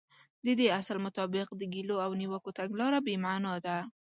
د دې اصل مطابق د ګيلو او نيوکو تګلاره بې معنا ده.